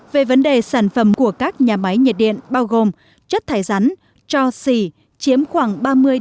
về vấn đề sản phẩm của các nhà máy nhiệt điện bao gồm chất thải rắn cho xì chiếm khoảng ba mươi bốn mươi